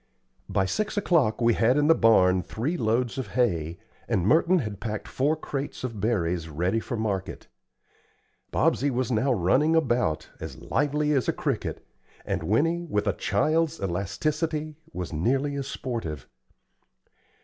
By six o'clock, we had in the barn three loads of hay, and Merton had packed four crates of berries ready for market. Bobsey was now running about, as lively as a cricket, and Winnie, with a child's elasticity, was nearly as sportive.